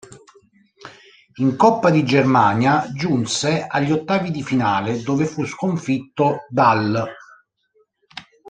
In Coppa di Germania giunse agli ottavi di finale dove fu sconfitto dall'.